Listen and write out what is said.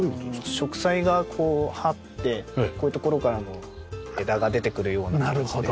植栽がこうはってこういうところからも枝が出てくるような感じで。